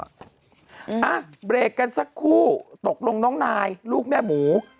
อ่ะเบรกกันสักครู่ตกลงน้องนายลูกแม่หมู